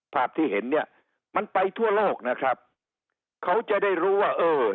ภาพที่เห็นเนี่ยมันไปทั่วโลกนะครับเขาจะได้รู้ว่าเออ